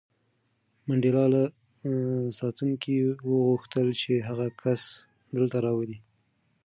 منډېلا له ساتونکي وغوښتل چې هغه کس دلته راولي.